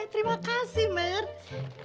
terima kasih mercy